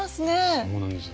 そうなんですよ。